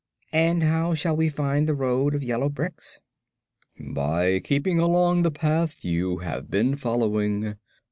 "And how shall we find the road of yellow bricks?" "By keeping along the path you have been following.